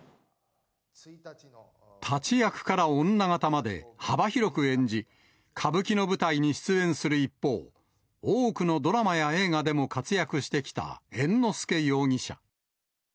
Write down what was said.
立役から女方まで幅広く演じ、歌舞伎の舞台に出演する一方、多くのドラマや映画でも活躍してきた猿之助容疑者。